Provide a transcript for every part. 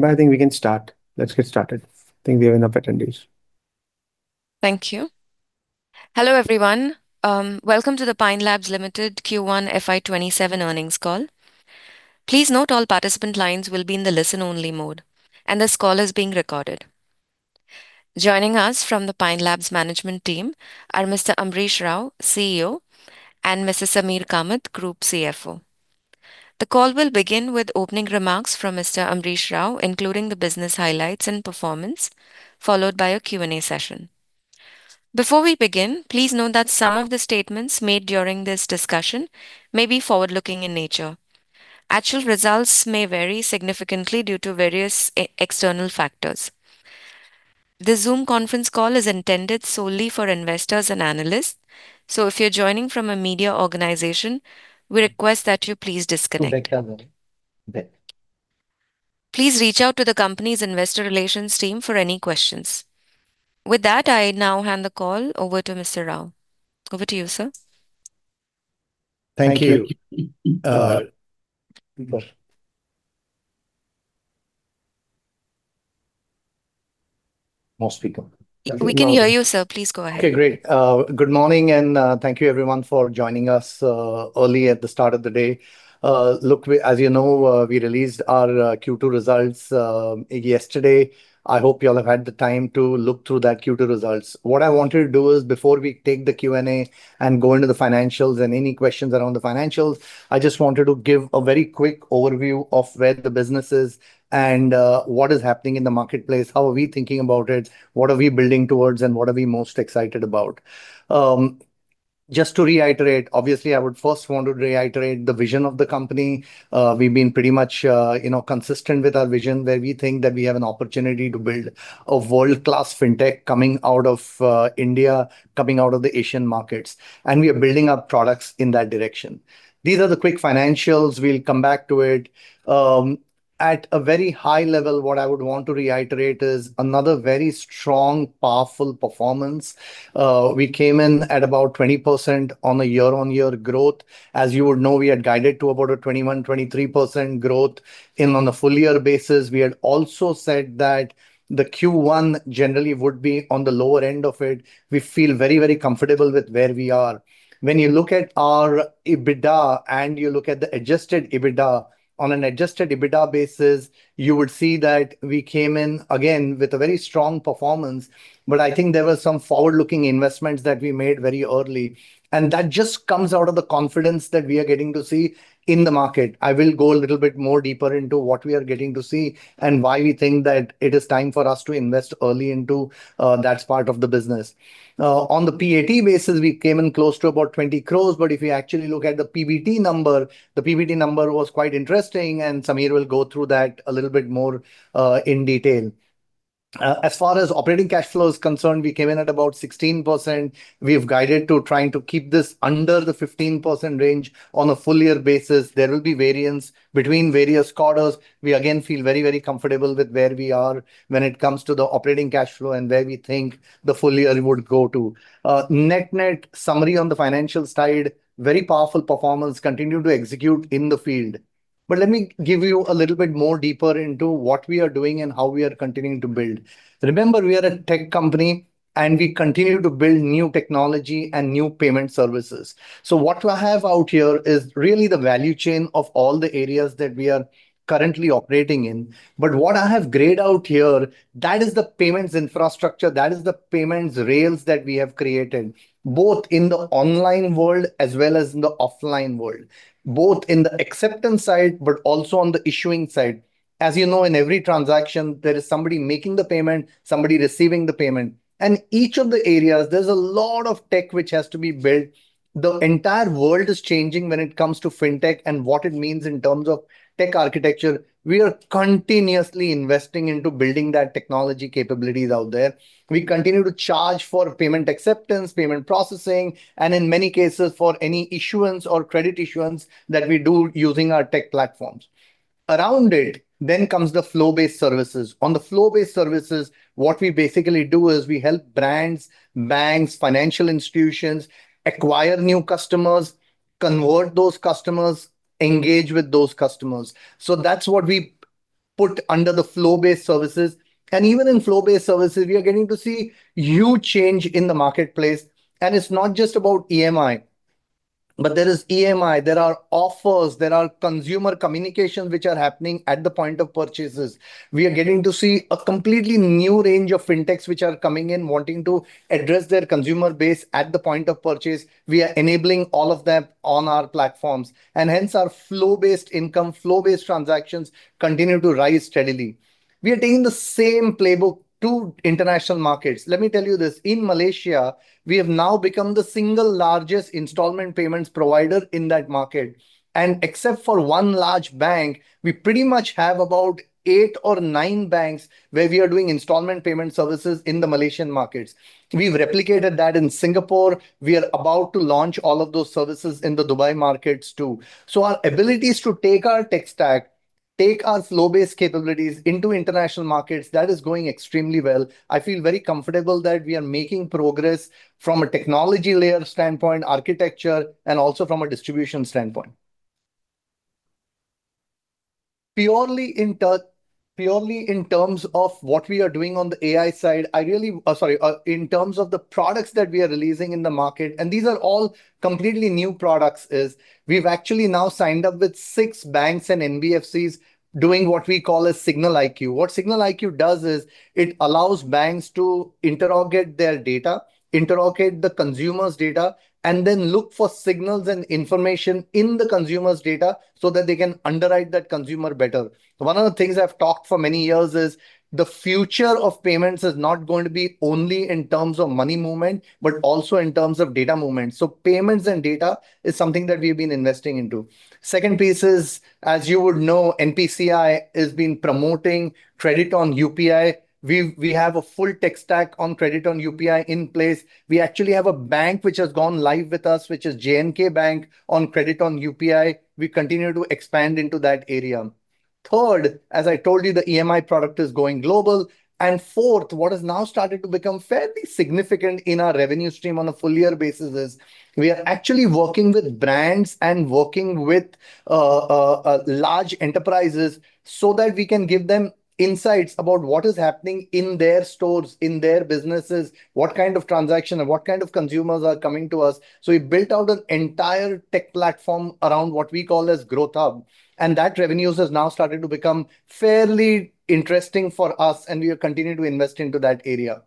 I think we can start. Let's get started. I think we have enough attendees. Thank you. Hello, everyone. Welcome to the Pine Labs Limited Q1 FY 2027 earnings call. Please note all participant lines will be in the listen-only mode, and this call is being recorded. Joining us from the Pine Labs management team are Mr. Amrish Rau, CEO, and Mr. Sameer Kamath, Group CFO. The call will begin with opening remarks from Mr. Amrish Rau, including the business highlights and performance, followed by a Q and A session. Before we begin, please note that some of the statements made during this discussion may be forward-looking in nature. Actual results may vary significantly due to various external factors. This Zoom conference call is intended solely for investors and analysts. If you're joining from a media organization, we request that you please disconnect. To deck, Sameer. Deck. Please reach out to the company's investor relations team for any questions. With that, I now hand the call over to Mr. Rau. Over to you, sir. Thank you. We can hear you, sir. Please go ahead. Okay, great. Good morning, and thank you everyone for joining us early at the start of the day. Look, as you know, we released our Q2 results yesterday. I hope you all have had the time to look through that Q2 results. What I wanted to do is, before we take the Q and A and go into the financials and any questions around the financials, I just wanted to give a very quick overview of where the business is and what is happening in the marketplace, how are we thinking about it, what are we building towards, and what are we most excited about. Just to reiterate, obviously, I would first want to reiterate the vision of the company. We've been pretty much consistent with our vision, where we think that we have an opportunity to build a world-class fintech coming out of India, coming out of the Asian markets, and we are building our products in that direction. These are the quick financials. We'll come back to it. At a very high level, what I would want to reiterate is another very strong, powerful performance. We came in at about 20% on a year-on-year growth. As you would know, we had guided to about a 21%-23% growth on a full year basis. We had also said that the Q1 generally would be on the lower end of it. We feel very, very comfortable with where we are. When you look at our EBITDA, and you look at the adjusted EBITDA, on an adjusted EBITDA basis, you would see that we came in, again, with a very strong performance. I think there were some forward-looking investments that we made very early, and that just comes out of the confidence that we are getting to see in the market. I will go a little bit more deeper into what we are getting to see and why we think that it is time for us to invest early into that part of the business. On the PAT basis, we came in close to about 20 crores. If you actually look at the PBT number, the PBT number was quite interesting, and Sameer will go through that a little bit more in detail. As far as operating cash flow is concerned, we came in at about 16%. We have guided to trying to keep this under the 15% range on a full year basis. There will be variance between various quarters. We again feel very, very comfortable with where we are when it comes to the operating cash flow and where we think the full year would go to. Net net summary on the financial side, very powerful performance, continue to execute in the field. Let me give you a little bit more deeper into what we are doing and how we are continuing to build. Remember, we are a tech company, and we continue to build new technology and new payment services. What I have out here is really the value chain of all the areas that we are currently operating in. What I have grayed out here, that is the payments infrastructure. That is the payments rails that we have created, both in the online world as well as in the offline world. Both in the acceptance side, but also on the issuing side. As you know, in every transaction, there is somebody making the payment, somebody receiving the payment. Each of the areas, there's a lot of tech which has to be built. The entire world is changing when it comes to fintech and what it means in terms of tech architecture. We are continuously investing into building that technology capabilities out there. We continue to charge for payment acceptance, payment processing, and in many cases, for any issuance or credit issuance that we do using our tech platforms. Around it, comes the flow-based services. On the flow-based services, what we basically do is we help brands, banks, financial institutions acquire new customers, convert those customers, engage with those customers. That's what we put under the flow-based services. Even in flow-based services, we are getting to see huge change in the marketplace. It's not just about EMI. There is EMI, there are offers, there are consumer communications which are happening at the point of purchases. We are getting to see a completely new range of fintechs, which are coming in wanting to address their consumer base at the point of purchase. We are enabling all of that on our platforms. Hence our flow-based income, flow-based transactions continue to rise steadily. We are taking the same playbook to international markets. Let me tell you this. In Malaysia, we have now become the single largest installment payments provider in that market. Except for one large bank, we pretty much have about eight or nine banks where we are doing installment payment services in the Malaysian markets. We've replicated that in Singapore. We are about to launch all of those services in the Dubai markets, too. Our abilities to take our tech stack, take our flow-based capabilities into international markets, that is going extremely well. I feel very comfortable that we are making progress from a technology layer standpoint, architecture, and also from a distribution standpoint. Purely in terms of what we are doing on the AI side, in terms of the products that we are releasing in the market, and these are all completely new products, is we've actually now signed up with six banks and NBFCs doing what we call a SignalIQ. What SignalIQ does is it allows banks to interrogate their data, interrogate the consumer's data, and then look for signals and information in the consumer's data so that they can underwrite that consumer better. One of the things I've talked for many years is the future of payments is not going to be only in terms of money movement, but also in terms of data movement. Payments and data is something that we've been investing into. Second piece is, as you would know, NPCI has been promoting credit on UPI. We have a full tech stack on credit on UPI in place. We actually have a bank which has gone live with us, which is J&K Bank on credit on UPI. We continue to expand into that area. Third, as I told you, the EMI product is going global. Fourth, what has now started to become fairly significant in our revenue stream on a full year basis is we are actually working with brands and working with large enterprises so that we can give them insights about what is happening in their stores, in their businesses, what kind of transaction and what kind of consumers are coming to us. We built out an entire tech platform around what we call as GrowthHub, and that revenues has now started to become fairly interesting for us, and we have continued to invest into that area.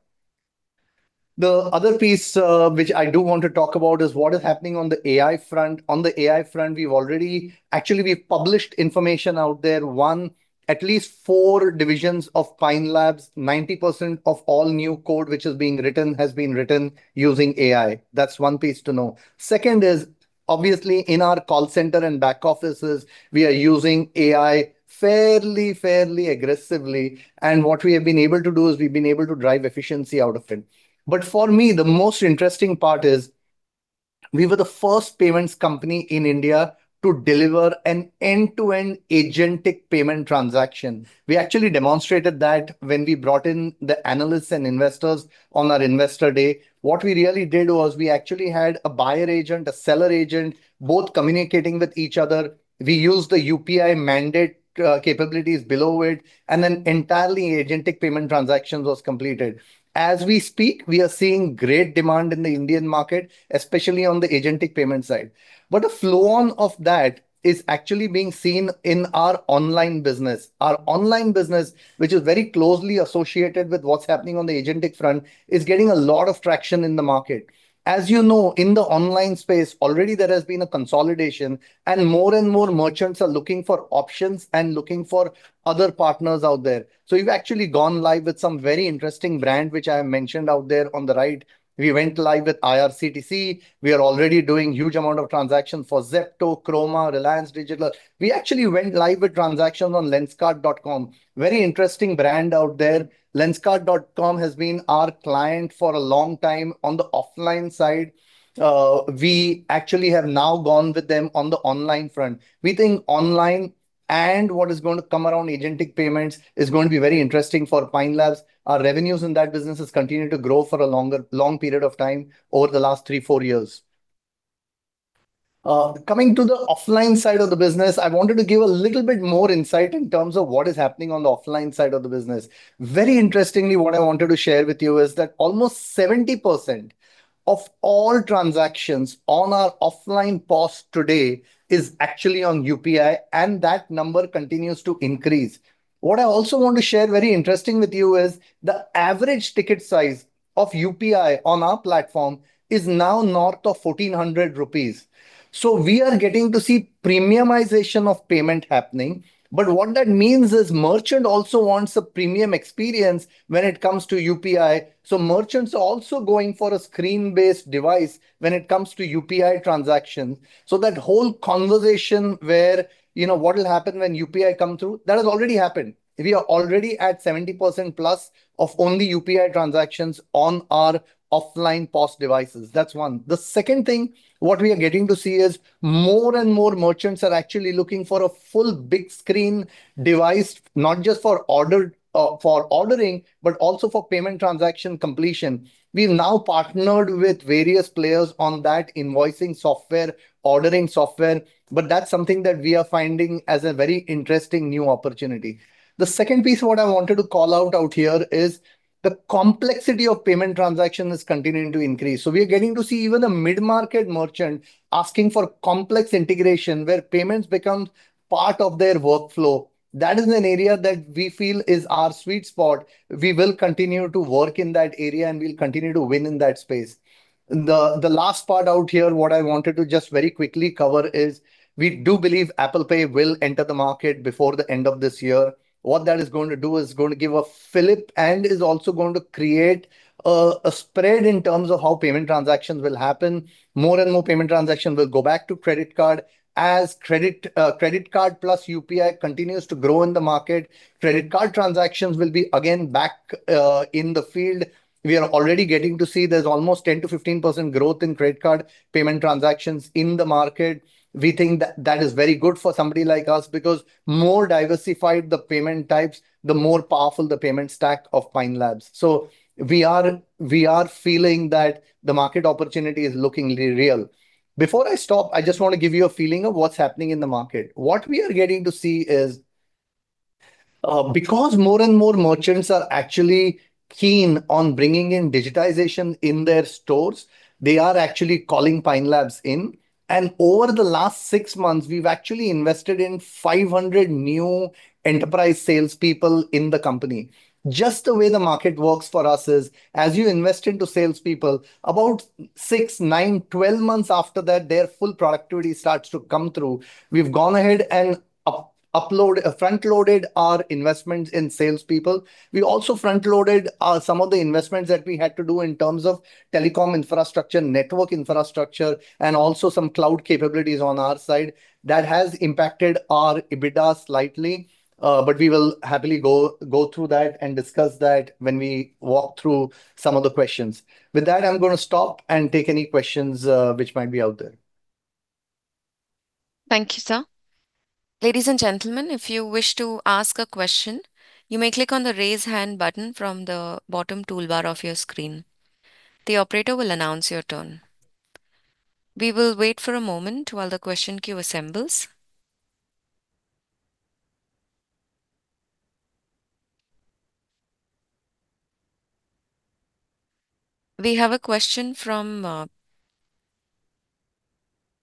The other piece, which I do want to talk about, is what is happening on the AI front. On the AI front, actually, we've published information out there. One, at least four divisions of Pine Labs, 90% of all new code which is being written has been written using AI. That's one piece to know. Second is, obviously in our call center and back offices, we are using AI fairly aggressively, and what we have been able to do is we've been able to drive efficiency out of it. For me, the most interesting part is we were the first payments company in India to deliver an end-to-end agentic payment transaction. We actually demonstrated that when we brought in the analysts and investors on our investor day. What we really did was we actually had a buyer agent, a seller agent, both communicating with each other. We used the UPI mandate capabilities below it, and an entirely agentic payment transaction was completed. As we speak, we are seeing great demand in the Indian market, especially on the agentic payment side. A flow-on of that is actually being seen in our online business. Our online business, which is very closely associated with what's happening on the agentic front, is getting a lot of traction in the market. As you know, in the online space, already there has been a consolidation, and more and more merchants are looking for options and looking for other partners out there. We've actually gone live with some very interesting brand, which I have mentioned out there on the right. We went live with IRCTC. We are already doing huge amount of transaction for Zepto, Croma, Reliance Digital. We actually went live with transactions on lenskart.com. Very interesting brand out there. lenskart.com has been our client for a long time on the offline side. We actually have now gone with them on the online front. We think online and what is going to come around agentic payments is going to be very interesting for Pine Labs. Our revenues in that business has continued to grow for a long period of time over the last three, four years. Coming to the offline side of the business, I wanted to give a little bit more insight in terms of what is happening on the offline side of the business. Very interestingly, what I wanted to share with you is that almost 70% of all transactions on our offline POS today is actually on UPI, and that number continues to increase. What I also want to share, very interesting, with you is the average ticket size of UPI on our platform is now north of 1,400 rupees. We are getting to see premiumization of payment happening. What that means is merchant also wants a premium experience when it comes to UPI. Merchants are also going for a screen-based device when it comes to UPI transactions. That whole conversation where, what will happen when UPI come through, that has already happened. We are already at 70%+ of only UPI transactions on our offline POS devices. That's one. The second thing, what we are getting to see is more and more merchants are actually looking for a full big screen device, not just for ordering, but also for payment transaction completion. We've now partnered with various players on that, invoicing software, ordering software, that's something that we are finding as a very interesting new opportunity. The second piece what I wanted to call out here is the complexity of payment transaction is continuing to increase. We are getting to see even a mid-market merchant asking for complex integration where payments become part of their workflow. That is an area that we feel is our sweet spot. We will continue to work in that area, we'll continue to win in that space. The last part out here, what I wanted to just very quickly cover is we do believe Apple Pay will enter the market before the end of this year. What that is going to do is going to give a flip and is also going to create a spread in terms of how payment transactions will happen. More and more payment transactions will go back to credit card. As credit card plus UPI continues to grow in the market, credit card transactions will be again back in the field. We are already getting to see there's almost 10%-15% growth in credit card payment transactions in the market. We think that that is very good for somebody like us because more diversified the payment types, the more powerful the payment stack of Pine Labs. We are feeling that the market opportunity is looking real. Before I stop, I just want to give you a feeling of what's happening in the market. What we are getting to see is more and more merchants are actually keen on bringing in digitization in their stores, they are actually calling Pine Labs in, and over the last six months, we've actually invested in 500 new enterprise salespeople in the company. Just the way the market works for us is, as you invest into salespeople, about six, nine, 12 months after that, their full productivity starts to come through. We've gone ahead and front-loaded our investments in salespeople. We also front-loaded some of the investments that we had to do in terms of telecom infrastructure, network infrastructure, and also some cloud capabilities on our side. That has impacted our EBITDA slightly. We will happily go through that and discuss that when we walk through some of the questions. With that, I'm going to stop and take any questions which might be out there. Thank you, sir. Ladies and gentlemen, if you wish to ask a question, you may click on the Raise Hand button from the bottom toolbar of your screen. The operator will announce your turn. We will wait for a moment while the question queue assembles. We have a question from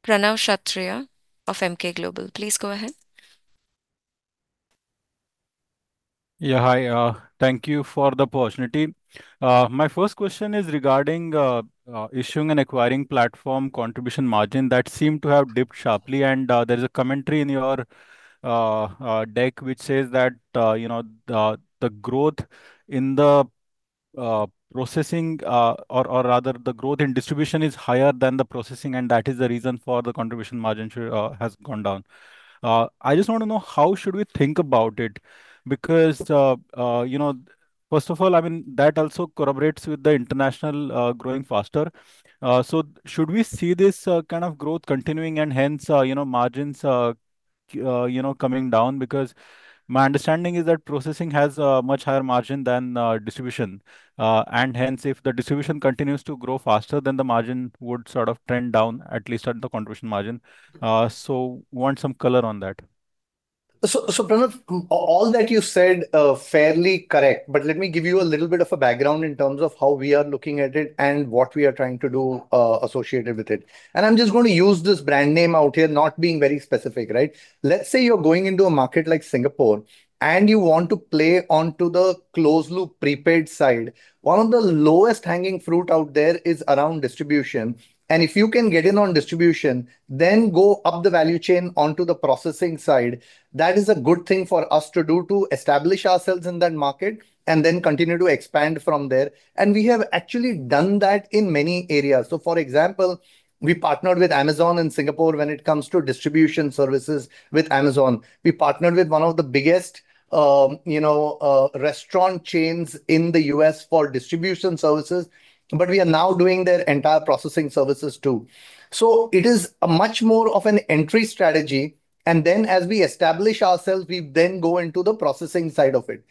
Pranav Kshatriya of Emkay Global. Please go ahead. Yeah. Hi. Thank you for the opportunity. My first question is regarding Issuing and Acquiring platform contribution margin. That seemed to have dipped sharply. There is a commentary in your deck which says that the growth in distribution is higher than the processing, and that is the reason for the contribution margin has gone down. I just want to know how should we think about it, first of all, that also corroborates with the international growing faster. Should we see this kind of growth continuing and hence margins coming down? My understanding is that processing has a much higher margin than distribution, and hence, if the distribution continues to grow faster, then the margin would sort of trend down, at least at the contribution margin. Want some color on that. Pranav, all that you said, fairly correct. Let me give you a little bit of a background in terms of how we are looking at it and what we are trying to do associated with it. I'm just going to use this brand name out here, not being very specific, right? Let's say you're going into a market like Singapore and you want to play onto the closed loop prepaid side. One of the lowest hanging fruit out there is around distribution, and if you can get in on distribution, then go up the value chain onto the processing side, that is a good thing for us to do to establish ourselves in that market and then continue to expand from there. We have actually done that in many areas. For example, we partnered with Amazon in Singapore when it comes to distribution services with Amazon. We partnered with one of the biggest restaurant chains in the U.S. for distribution services. We are now doing their entire processing services, too. It is much more of an entry strategy, and then as we establish ourselves, we then go into the processing side of it.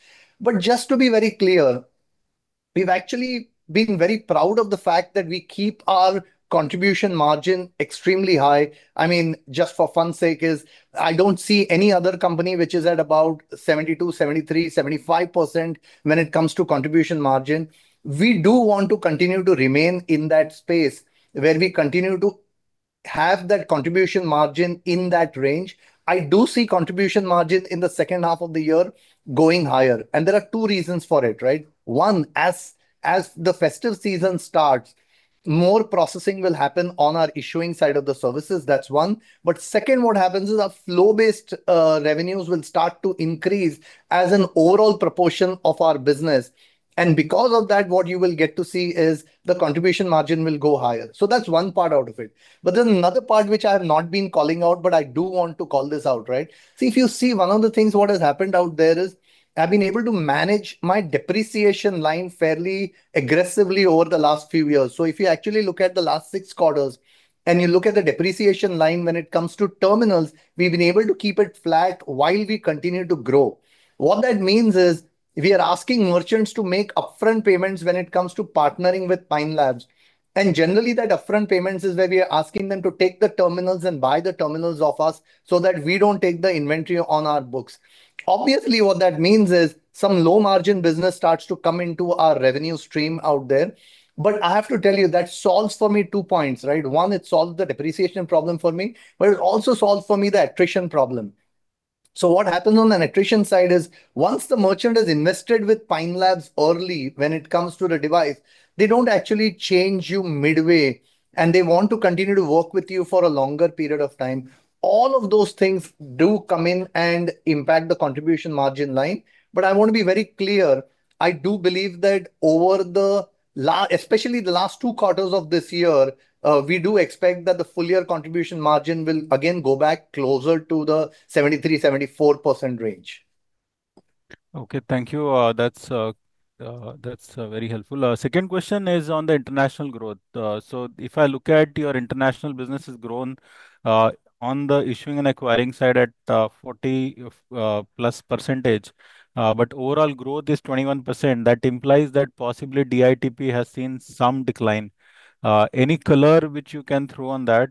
Just to be very clear, we've actually been very proud of the fact that we keep our contribution margin extremely high. Just for fun sake is, I don't see any other company which is at about 72%, 73%, 75% when it comes to contribution margin. We do want to continue to remain in that space where we continue to have that contribution margin in that range. I do see contribution margin in the second half of the year going higher, and there are two reasons for it, right? One, as the festive season starts, more processing will happen on our issuing side of the services. That's one. Second, what happens is our flow-based revenues will start to increase as an overall proportion of our business. Because of that, what you will get to see is the contribution margin will go higher. That's one part out of it. There's another part which I have not been calling out, but I do want to call this out, right? If you see, one of the things what has happened out there is I've been able to manage my depreciation line fairly aggressively over the last few years. If you actually look at the last six quarters and you look at the depreciation line, when it comes to terminals, we've been able to keep it flat while we continue to grow. What that means is we are asking merchants to make upfront payments when it comes to partnering with Pine Labs. Generally, that upfront payments is where we are asking them to take the terminals and buy the terminals off us so that we don't take the inventory on our books. Obviously, what that means is some low-margin business starts to come into our revenue stream out there. I have to tell you, that solves for me two points, right? One, it solves the depreciation problem for me, but it also solves for me the attrition problem. What happens on an attrition side is once the merchant has invested with Pine Labs early when it comes to the device, they don't actually change you midway, and they want to continue to work with you for a longer period of time. All of those things do come in and impact the contribution margin line. But I want to be very clear, I do believe that over, especially the last two quarters of this year, we do expect that the full-year contribution margin will again go back closer to the 73%-74% range. Okay. Thank you. That's very helpful. Second question is on the international growth. If I look at your international business has grown on the Issuing and Acquiring side at 40-plus percentage. But overall growth is 21%. That implies that possibly DITP has seen some decline. Any color which you can throw on that?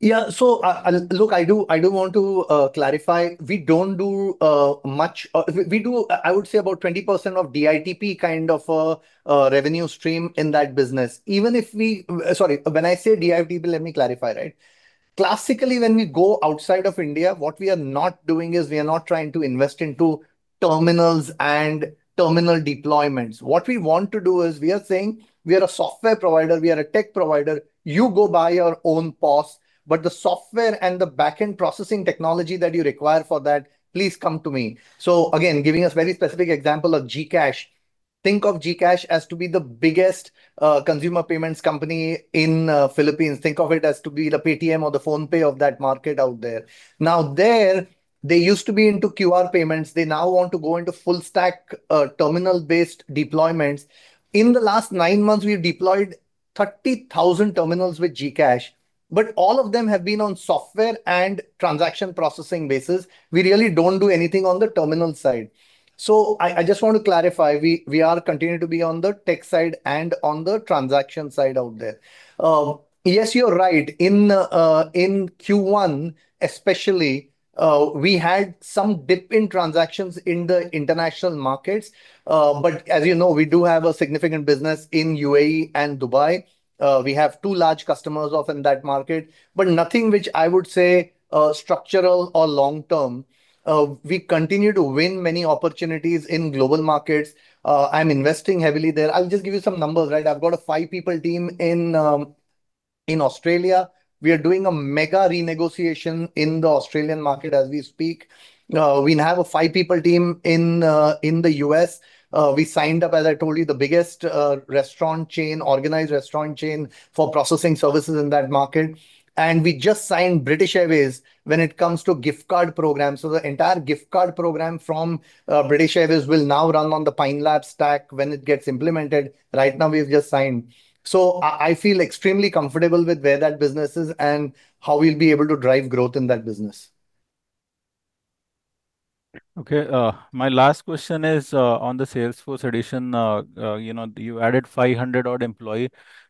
Look, I do want to clarify, I would say about 20% of DITP kind of a revenue stream in that business. Sorry, when I say DITP, let me clarify. Classically, when we go outside of India, what we are not doing is we are not trying to invest into terminals and terminal deployments. What we want to do is we are saying, "We are a software provider. We are a tech provider. You go buy your own POS, but the software and the back-end processing technology that you require for that, please come to me." Again, giving a very specific example of GCash. Think of GCash as to be the biggest consumer payments company in Philippines. Think of it as to be the Paytm or the PhonePe of that market out there. Now, there, they used to be into QR payments. They now want to go into full stack terminal-based deployments. In the last nine months, we've deployed 30,000 terminals with GCash, but all of them have been on software and transaction processing basis. We really don't do anything on the terminal side. I just want to clarify, we are continuing to be on the tech side and on the transaction side out there. Yes, you're right. In Q1 especially, we had some dip in transactions in the international markets. But as you know, we do have a significant business in UAE and Dubai. We have two large customers often in that market. But nothing which I would say structural or long-term. We continue to win many opportunities in global markets. I'm investing heavily there. I'll just give you some numbers. I've got a five people team in Australia. We are doing a mega renegotiation in the Australian market as we speak. We have a five people team in the U.S. We signed up, as I told you, the biggest organized restaurant chain for processing services in that market. We just signed British Airways when it comes to gift card program. The entire gift card program from British Airways will now run on the Pine Labs stack when it gets implemented. Right now, we've just signed. I feel extremely comfortable with where that business is and how we'll be able to drive growth in that business. Okay. My last question is on the Salesforce addition. You added 500-odd employee.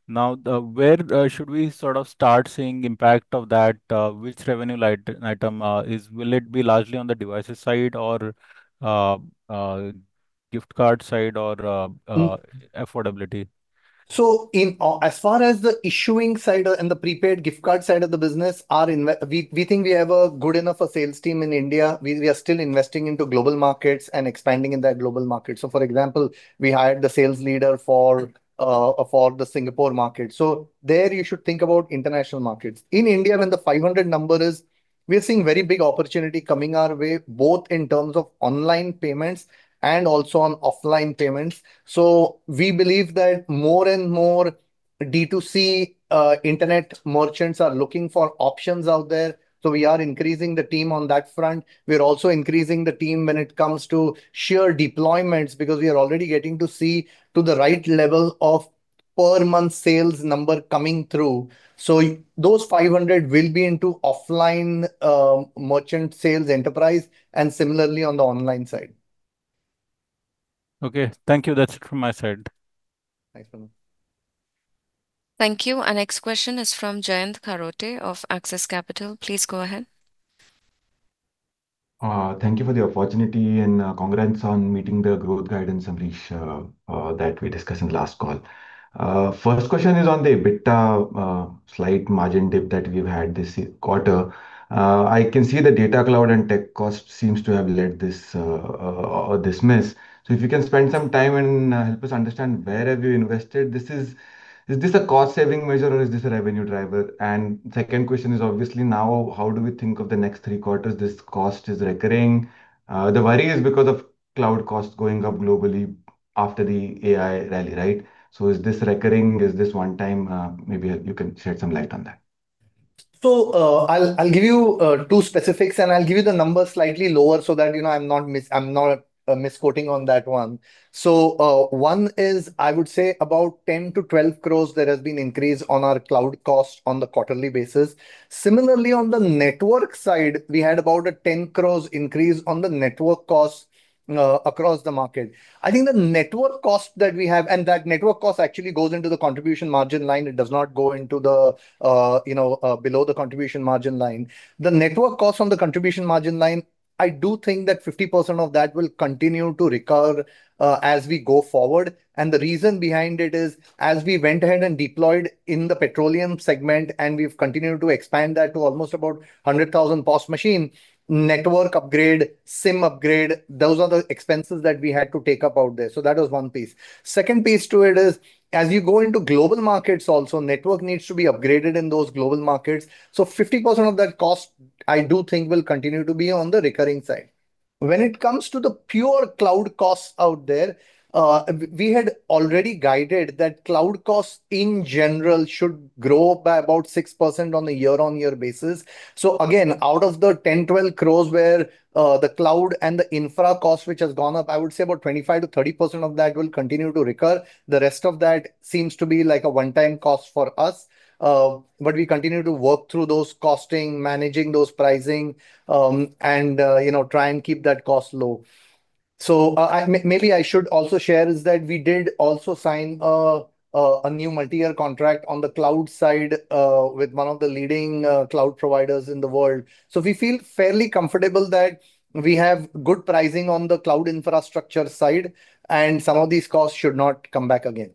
Where should we sort of start seeing impact of that? Will it be largely on the devices side or gift card side or affordability? As far as the issuing side and the prepaid gift card side of the business, we think we have a good enough a sales team in India. We are still investing into global markets and expanding in that global market. For example, we hired the sales leader for the Singapore market. There you should think about international markets. In India, when the 500 number is, we are seeing very big opportunity coming our way, both in terms of online payments and also on offline payments. We believe that more and more D2C internet merchants are looking for options out there. We are increasing the team on that front. We are also increasing the team when it comes to sheer deployments because we are already getting to see to the right level of per month sales number coming through. Those 500 will be into offline merchant sales enterprise and similarly on the online side. Okay. Thank you. That's it from my side. Thanks, Pranav. Thank you. Our next question is from Jayant Kharote of Axis Capital. Please go ahead. Thank you for the opportunity, and congrats on meeting the growth guidance, Amrish, that we discussed in the last call. First question is on the EBITDA slight margin dip that we've had this quarter. I can see the data cloud and tech cost seems to have led this miss. If you can spend some time and help us understand where have you invested. Is this a cost-saving measure or is this a revenue driver? Second question is obviously now, how do we think of the next three quarters this cost is recurring? The worry is because of cloud costs going up globally after the AI rally, right? Is this recurring? Is this one time? Maybe you can shed some light on that. I'll give you two specifics, I'll give you the numbers slightly lower so that I'm not misquoting on that one. One is, I would say about 10-12 crores that has been increased on our cloud cost on the quarterly basis. Similarly, on the network side, we had about a 10 crores increase on the network cost across the market. I think the network cost that we have, and that network cost actually goes into the contribution margin line. It does not go below the contribution margin line. The network cost from the contribution margin line, I do think that 50% of that will continue to recur as we go forward. The reason behind it is as we went ahead and deployed in the petroleum segment, and we've continued to expand that to almost about 100,000 POS machine, network upgrade, SIM upgrade, those are the expenses that we had to take up out there. That was one piece. Second piece to it is, as you go into global markets also, network needs to be upgraded in those global markets. 50% of that cost, I do think will continue to be on the recurring side. When it comes to the pure cloud costs out there, we had already guided that cloud costs in general should grow by about 6% on a year-on-year basis. Again, out of the 10-12 crores where the cloud and the infra cost which has gone up, I would say about 25%-30% of that will continue to recur. The rest of that seems to be like a one-time cost for us. We continue to work through those costing, managing those pricing, and try and keep that cost low. Maybe I should also share is that we did also sign a new multiyear contract on the cloud side, with one of the leading cloud providers in the world. We feel fairly comfortable that we have good pricing on the cloud infrastructure side, and some of these costs should not come back again.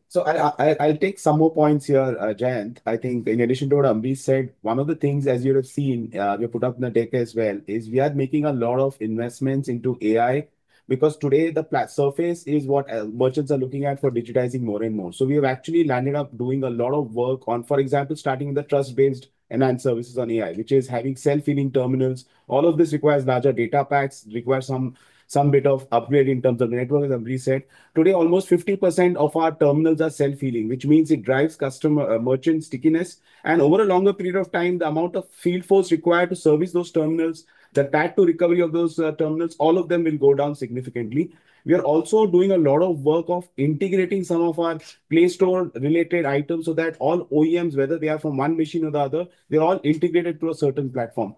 I'll take some more points here, Jayant. I think in addition to what Amrish said, one of the things, as you would've seen, we put up in the deck as well, is we are making a lot of investments into AI, because today the plat surface is what merchants are looking at for digitizing more and more. We have actually landed up doing a lot of work on, for example, starting the trust-based enhanced services on AI, which is having self-healing terminals. All of this requires larger data packs, requires some bit of upgrade in terms of network, as Amrish said. Today, almost 50% of our terminals are self-healing, which means it drives merchant stickiness. Over a longer period of time, the amount of field force required to service those terminals, the TAT to recovery of those terminals, all of them will go down significantly. We are also doing a lot of work of integrating some of our Play Store-related items so that all OEMs, whether they are from one machine or the other, they are all integrated to a certain platform.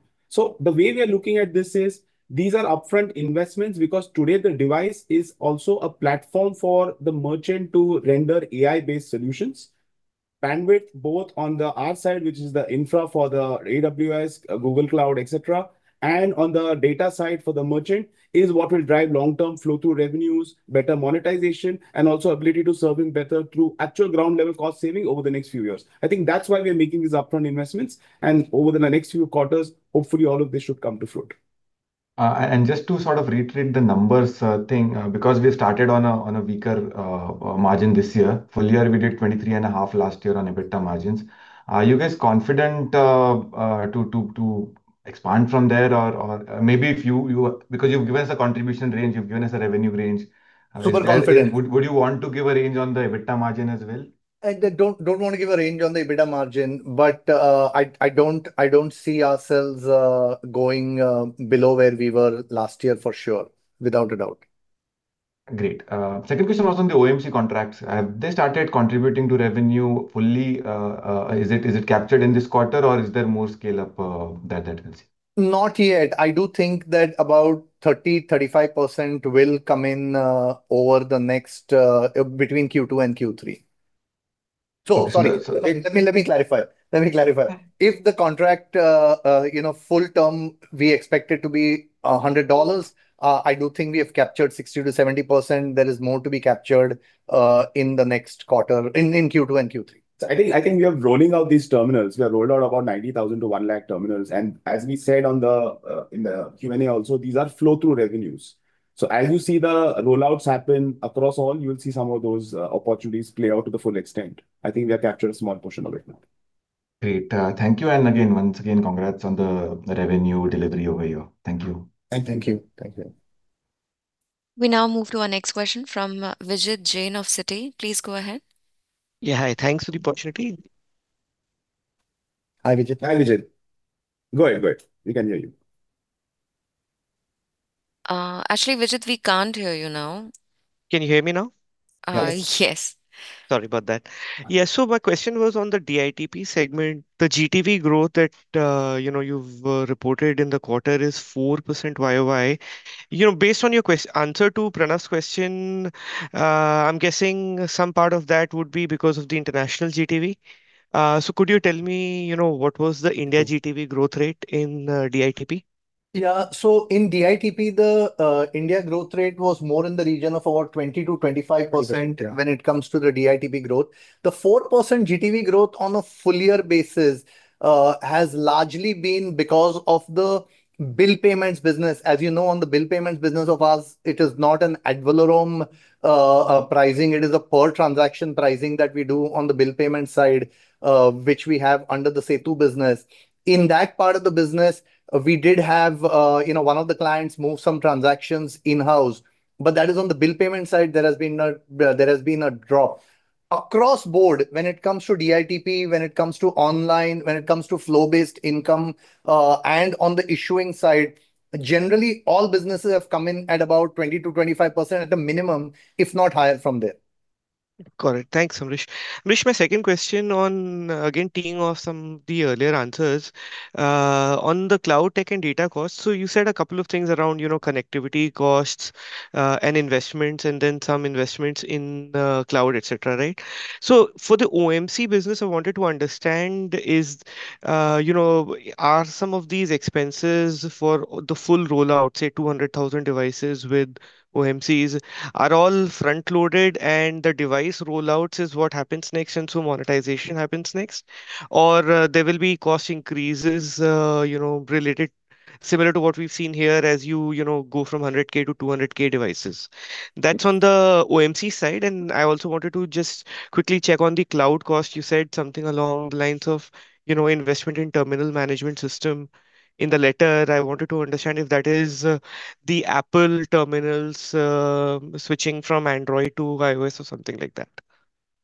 The way we are looking at this is these are upfront investments because today the device is also a platform for the merchant to render AI-based solutions. Bandwidth, both on our side, which is the infra for the AWS, Google Cloud, et cetera, and on the data side for the merchant, is what will drive long-term flow through revenues, better monetization, and also ability to serving better through actual ground level cost saving over the next few years. I think that is why we are making these upfront investments. Over the next few quarters, hopefully all of this should come to fruit. Just to sort of reiterate the numbers thing, because we started on a weaker margin this year. Full year, we did 23 and a half last year on EBITDA margins. Are you guys confident to expand from there? Or maybe because you have given us a contribution range, you have given us a revenue range. Super confident. Would you want to give a range on the EBITDA margin as well? I don't want to give a range on the EBITDA margin, but I don't see ourselves going below where we were last year for sure, without a doubt. Great. Second question was on the OMC contracts. Have they started contributing to revenue fully? Is it captured in this quarter or is there more scale-up that we'll see? Not yet. I do think that about 30%-35% will come in between Q2 and Q3. Sorry. That's all right. Let me clarify. If the contract, full term, we expect it to be INR 100, I do think we have captured 60%-70%. There is more to be captured, in the next quarter, in Q2 and Q3. I think we are rolling out these terminals. We have rolled out about 90,000-100,000 terminals. As we said in the Q and A also, these are flow-through revenues. As you see the rollouts happen across all, you will see some of those opportunities play out to the full extent. I think we have captured a small portion of it now. Great. Thank you. Again, once again, congrats on the revenue delivery over here. Thank you. Thank you. Thank you. We now move to our next question from Vijit Jain of Citi. Please go ahead. Yeah. Hi. Thanks for the opportunity. Hi, Vijit. Hi, Vijit. Go ahead. We can hear you. Actually, Vijit, we can't hear you now. Can you hear me now? Yes. Sorry about that. Yeah. My question was on the DITP segment. The GTV growth that you've reported in the quarter is 4% YOY. Based on your answer to Pranav's question, I'm guessing some part of that would be because of the international GTV. Could you tell me what was the India GTV growth rate in DITP? Yeah. In DITP, the India growth rate was more in the region of about 20%-25%. 20, yeah. when it comes to the DITP growth. The 4% GTV growth on a full year basis has largely been because of the bill payments business. As you know, on the bill payments business of ours, it is not an ad valorem pricing, it is a per transaction pricing that we do on the bill payment side, which we have under the Setu business. In that part of the business, we did have one of the clients move some transactions in-house. That is on the bill payment side, there has been a drop. Across board, when it comes to DITP, when it comes to online, when it comes to flow-based income, and on the issuing side, generally, all businesses have come in at about 20%-25% at the minimum, if not higher from there. Got it. Thanks, Amrish. Amrish, my second question on, again, teeing off some of the earlier answers, on the cloud tech and data costs. You said a couple of things around connectivity costs, and investments, and then some investments in the cloud, et cetera, right? For the OMC business, I wanted to understand is, are some of these expenses for the full rollout, say 200,000 devices with OMCs, are all front-loaded and the device rollouts is what happens next, and monetization happens next? Or there will be cost increases similar to what we've seen here as you go from 100,000 to 200,000 devices? That's on the OMC side. I also wanted to just quickly check on the cloud cost. You said something along the lines of investment in terminal management system in the letter. I wanted to understand if that is the Apple terminals switching from Android to iOS or something like that.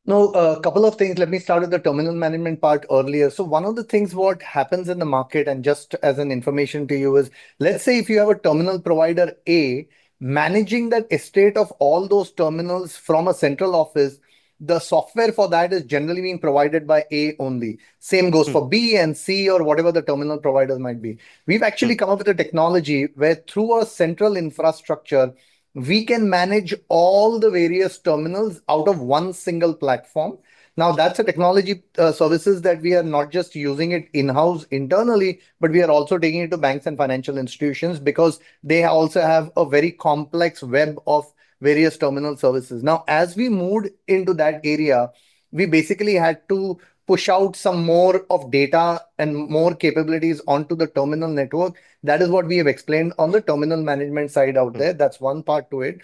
No, a couple of things. Let me start with the terminal management part earlier. One of the things that happens in the market, and just as an information to you is, let's say if you have a terminal provider, A, managing that estate of all those terminals from a central office, the software for that is generally being provided by A only. Same goes for B and C or whatever the terminal providers might be. We've actually come up with a technology where through a central infrastructure, we can manage all the various terminals out of one single platform. That's a technology services that we are not just using it in-house internally, but we are also taking it to banks and financial institutions because they also have a very complex web of various terminal services. As we moved into that area, we basically had to push out some more of data and more capabilities onto the terminal network. That is what we have explained on the terminal management side out there. That's one part to it.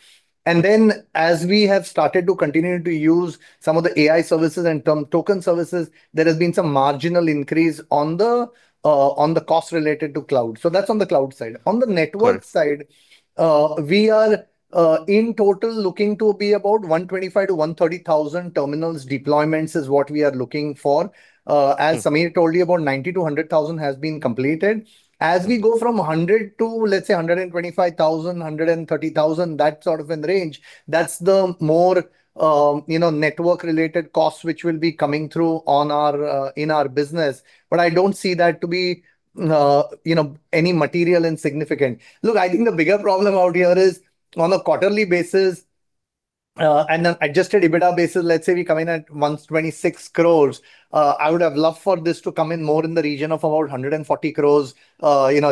As we have started to continue to use some of the AI services and token services, there has been some marginal increase on the cost related to cloud. That's on the cloud side. On the network side, we are in total looking to be about 125,000-130,000 terminals deployments is what we are looking for. As Sameer told you, about 90,000-100,000 has been completed. As we go from 100,000 to, let's say, 125,000-130,000, that sort of a range, that's the more network-related costs which will be coming through in our business. I don't see that to be any material insignificant. Look, I think the bigger problem out here is on a quarterly basis and an adjusted EBITDA basis, let's say we come in at 126 crores. I would have loved for this to come in more in the region of about 140 crores,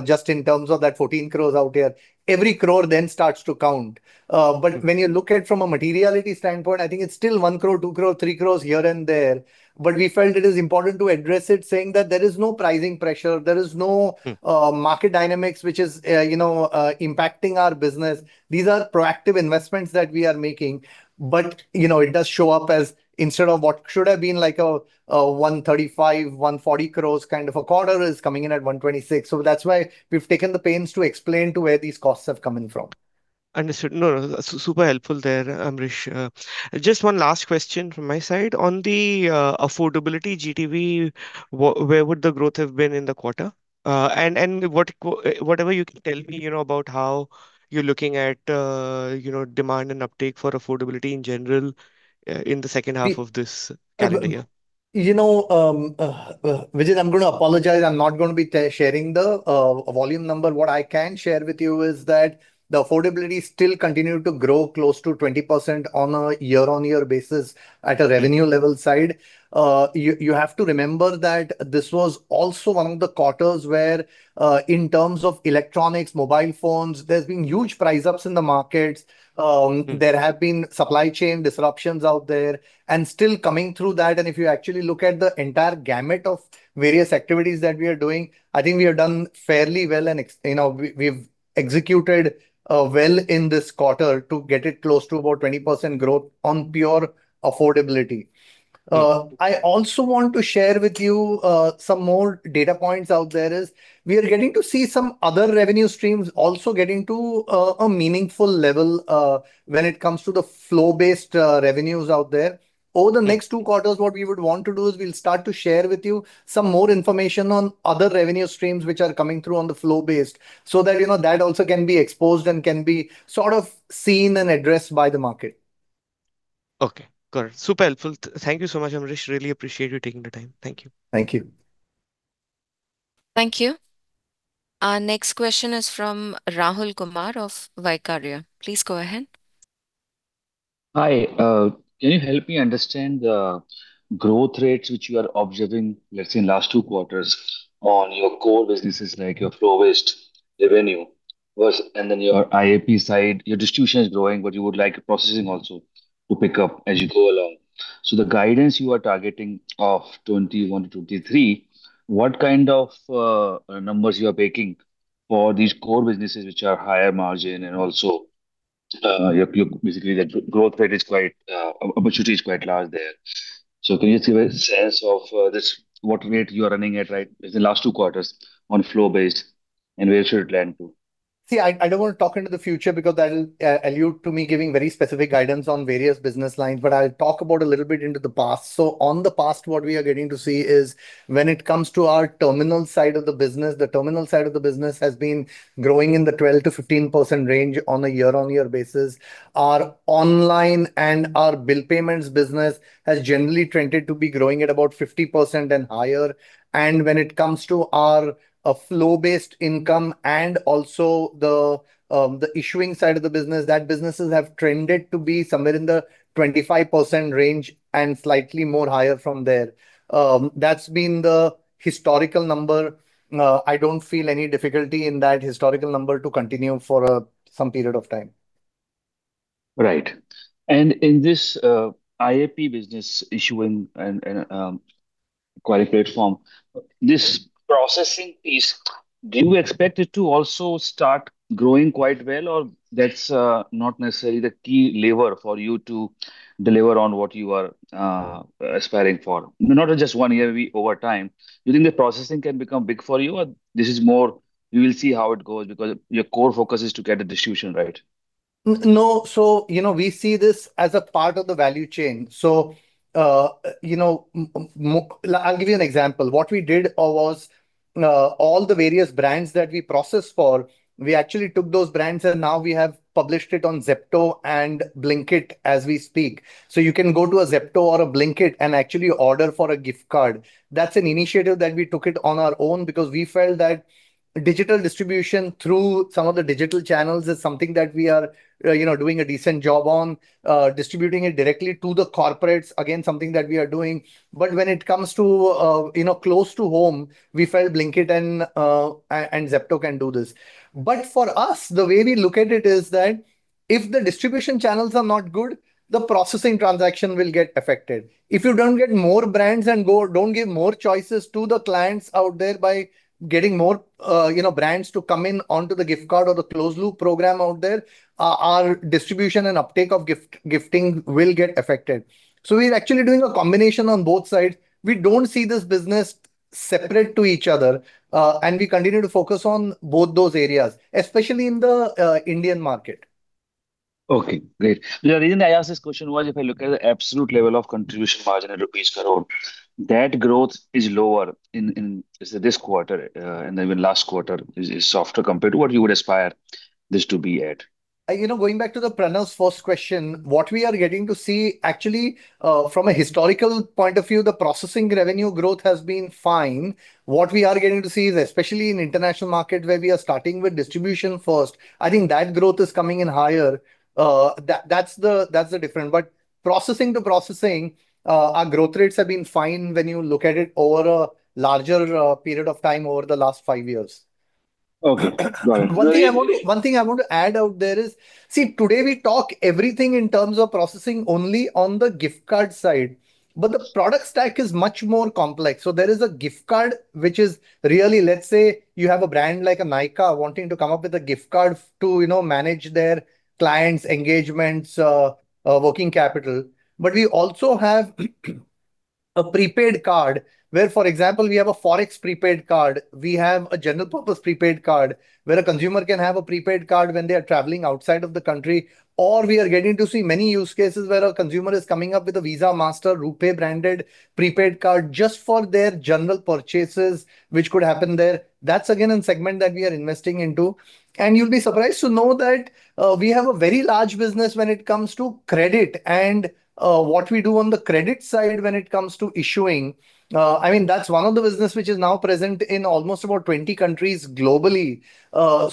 just in terms of that 14 crores out here. Every crore then starts to count. When you look at it from a materiality standpoint, I think it's still 1 crore, 2 crore, 3 crores here and there. We felt it is important to address it saying that there is no pricing pressure, there is no market dynamics, which is impacting our business. These are proactive investments that we are making. It does show up as instead of what should have been a 135 crores, 140 crores kind of a quarter is coming in at 126 crores. That's why we've taken the pains to explain to where these costs have come in from. Understood. No, super helpful there, Amrish. Just one last question from my side. On the affordability GTV, where would the growth have been in the quarter? Whatever you can tell me about how you're looking at demand and uptake for affordability in general in the second half of this calendar year. Vijit, I'm going to apologize. I'm not going to be sharing the volume number. What I can share with you is that the affordability still continued to grow close to 20% on a year-on-year basis at a revenue level side. You have to remember that this was also one of the quarters where, in terms of electronics, mobile phones, there's been huge price ups in the markets. There have been supply chain disruptions out there and still coming through that. If you actually look at the entire gamut of various activities that we are doing, I think we have done fairly well and we've executed well in this quarter to get it close to about 20% growth on pure affordability. I also want to share with you some more data points out there is we are getting to see some other revenue streams also getting to a meaningful level when it comes to the flow-based revenues out there. Over the next two quarters, what we would want to do is we'll start to share with you some more information on other revenue streams which are coming through on the flow-based, so that also can be exposed and can be sort of seen and addressed by the market. Okay, got it. Super helpful. Thank you so much, Amrish. Really appreciate you taking the time. Thank you. Thank you. Thank you. Our next question is from Rahul Kumar of Vikarya. Please go ahead. Hi. Can you help me understand the growth rates which you are observing, let's say in last two quarters on your core businesses, like your flow-based revenue? Your IAP side, your distribution is growing, but you would like processing also to pick up as you go along. The guidance you are targeting of FY 2021 to FY 2023, what kind of numbers you are making for these core businesses, which are higher margin and also basically Opportunity is quite large there. Can you give a sense of what rate you are running at right with the last two quarters on flow-based and where should it land to? I don't want to talk into the future because that'll allude to me giving very specific guidance on various business lines, but I'll talk about a little bit into the past. On the past, what we are getting to see is when it comes to our terminal side of the business, the terminal side of the business has been growing in the 12%-15% range on a year-on-year basis. Our online and our bill payments business has generally trended to be growing at about 50% and higher. When it comes to our flow-based income and also the issuing side of the business, that businesses have trended to be somewhere in the 25% range and slightly more higher from there. That's been the historical number. I don't feel any difficulty in that historical number to continue for some period of time. Right. In this IAP business Issuing and Acquiring Platform, this processing piece, do you expect it to also start growing quite well, or that's not necessarily the key lever for you to deliver on what you are aspiring for? Not in just one year, over time. Do you think the processing can become big for you, or this is more We will see how it goes, because your core focus is to get a distribution, right? No. We see this as a part of the value chain. I'll give you an example. What we did was, all the various brands that we process for, we actually took those brands and now we have published it on Zepto and Blinkit as we speak. You can go to a Zepto or a Blinkit and actually order for a gift card. That's an initiative that we took it on our own because we felt that digital distribution through some of the digital channels is something that we are doing a decent job on. Distributing it directly to the corporates, again, something that we are doing. When it comes to close to home, we felt Blinkit and Zepto can do this. For us, the way we look at it is that if the distribution channels are not good, the processing transaction will get affected. If you don't get more brands and don't give more choices to the clients out there by getting more brands to come in onto the gift card or the closed loop program out there, our distribution and uptake of gifting will get affected. We're actually doing a combination on both sides. We don't see this business separate to each other, We continue to focus on both those areas, especially in the Indian market. Okay, great. The reason I asked this question was, if I look at the absolute level of contribution margin in rupees crore, that growth is lower in, say, this quarter, and even last quarter is softer compared to what you would aspire this to be at. Going back to Pranav's first question, what we are getting to see, actually, from a historical point of view, the processing revenue growth has been fine. What we are getting to see is, especially in international market where we are starting with distribution first, I think that growth is coming in higher. That's the difference. Processing to processing, our growth rates have been fine when you look at it over a larger period of time over the last five years. Okay, got it. One thing I want to add out there is, see, today we talk everything in terms of processing only on the gift card side, the product stack is much more complex. There is a gift card, which is really, let's say, you have a brand like a Nykaa wanting to come up with a gift card to manage their clients' engagements, working capital. We also have a prepaid card where, for example, we have a Forex prepaid card, we have a general purpose prepaid card, where a consumer can have a prepaid card when they are traveling outside of the country, or we are getting to see many use cases where a consumer is coming up with a Visa, Mastercard, RuPay-branded prepaid card just for their general purchases, which could happen there. That's again, a segment that we are investing into. You'll be surprised to know that we have a very large business when it comes to credit and what we do on the credit side when it comes to issuing. That's one of the business which is now present in almost about 20 countries globally. I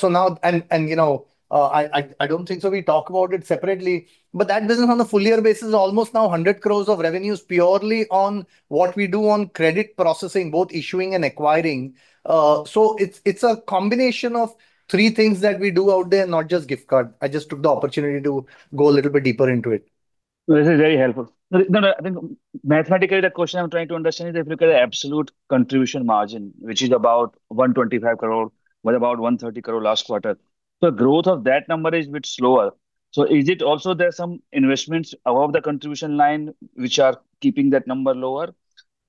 don't think so we talk about it separately, but that business on a full year basis is almost now 100 crores of revenues purely on what we do on credit processing, both Issuing and Acquiring. It's a combination of three things that we do out there, not just gift card. I just took the opportunity to go a little bit deeper into it. This is very helpful. I think mathematically, the question I'm trying to understand is if you look at the absolute contribution margin, which is about 125 crore, was about 130 crore last quarter. Growth of that number is a bit slower. Is it also there's some investments above the contribution line which are keeping that number lower?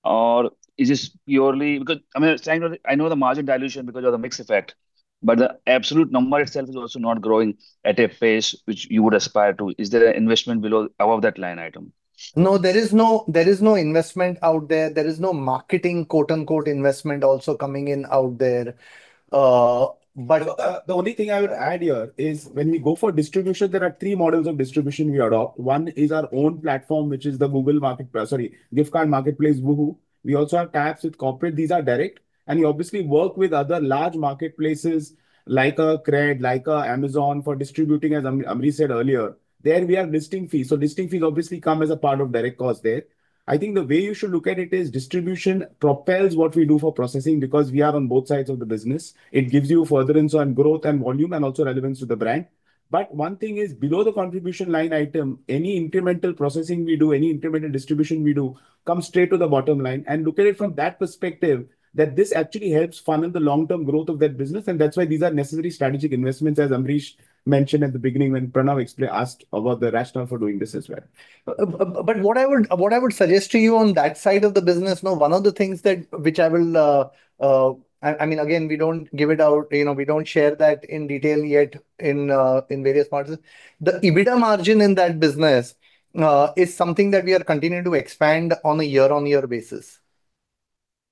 Or is this because I know the margin dilution because of the mix effect, but the absolute number itself is also not growing at a pace which you would aspire to. Is there an investment above that line item? There is no investment out there. There is no marketing, quote-unquote, "investment" also coming in out there. The only thing I would add here is when we go for distribution, there are three models of distribution we adopt. One is our own platform, which is the Google Marketplace, sorry, gift card marketplace, Woohoo. We also have taps with corporate. These are direct. We obviously work with other large marketplaces like a CRED, like a Amazon, for distributing, as Amrish said earlier. There we have listing fees. Listing fees obviously come as a part of direct cost there. I think the way you should look at it is distribution propels what we do for processing because we are on both sides of the business. It gives you furtherance on growth and volume and also relevance to the brand. One thing is, below the contribution line item, any incremental processing we do, any incremental distribution we do, comes straight to the bottom line. Look at it from that perspective, that this actually helps fund the long-term growth of that business, and that's why these are necessary strategic investments, as Amrish mentioned at the beginning when Pranav asked about the rationale for doing this as well. What I would suggest to you on that side of the business, now, one of the things that, Again, we don't give it out, we don't share that in detail yet in various parts. The EBITDA margin in that business is something that we are continuing to expand on a year-on-year basis.